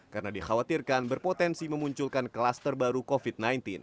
karena dikhawatirkan berpotensi memunculkan kelas terbaru covid sembilan belas